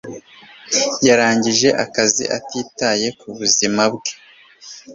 Yarangije akazi atitaye ku buzima bwe.